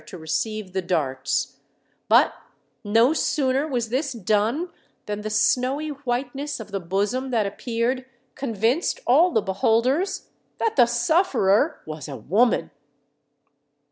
95 to receive the darts; but no sooner was this done than the snowy whiteness of the bosom that appeared con vinced all the beholders that the sufferer was a womac.